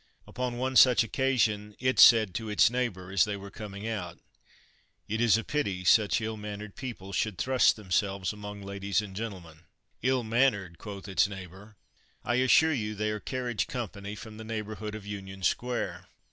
Upon one such occasion it said to its neighbor, as they were coming out: "It is a pity such ill mannered people should thrust themselves among ladies and gentlemen." "Ill mannered!" quoth its neighbor; "I assure you they are carriage company from the neighborhood of Union Square."